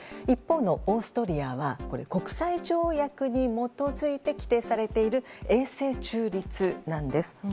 一方のオーストリアは国際条約に基づいて規定されている永世中立なんです。